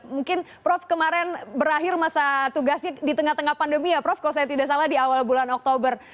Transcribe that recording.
mungkin prof kemarin berakhir masa tugasnya di tengah tengah pandemi ya prof kalau saya tidak salah di awal bulan oktober